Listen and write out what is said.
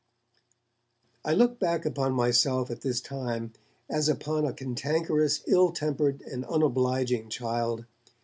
I look back upon myself at this time as upon a cantankerous, ill tempered and unobliging child.